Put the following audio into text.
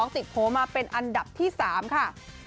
ติดโผล่มาเป็นอันดับที่๓ค่ะ